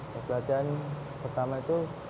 pas latihan pertama itu